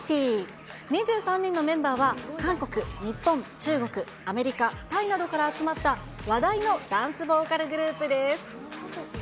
２３人のメンバーは、韓国、日本、中国、アメリカ、タイなどから集まった話題のダンスボーカルグループです。